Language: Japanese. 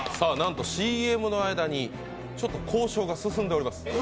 なんとＣＭの間にちょっと交渉が進んでおります。